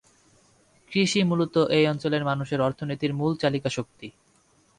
কৃষি মূলত এই অঞ্চলের মানুষের অর্থনীতির মূল চালিকা শক্তি।